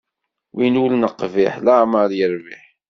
Win ur neqbiḥ leɛmeṛ irbiḥ.